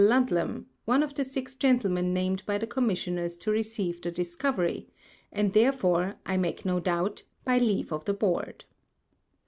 Ludlam, one of the six Gentlemen named by the Commissioners to receive the Discovery, and therefore, I make no doubt, by Leave of the Board.